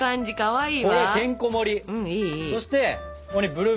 いい！